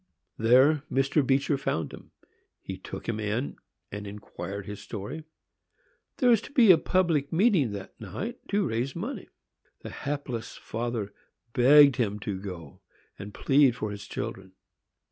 There Mr. Beecher found him. He took him in, and inquired his story. There was to be a public meeting that night, to raise money. The hapless father begged him to go and plead for his children.